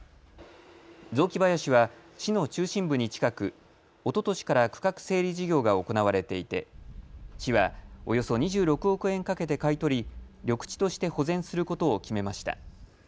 雑木林は市の中心部に近くおととしから区画整理事業が行われていて市はおよそ２６億円かけて買い取り緑地として保全することを決めました。